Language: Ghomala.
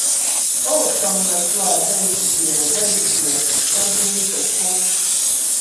Ó fəŋ mə́twâ gaə́jyə gaə́jyə cwə giŋ tə ko.